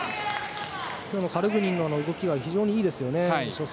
カルグニンの動きは非常にいいですよね